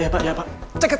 cekat cekat cekat